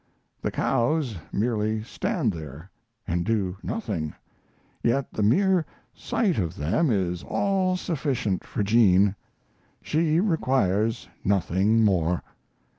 The cows merely stand there, and do nothing; yet the mere sight of them is all sufficient for Jean. She requires nothing more.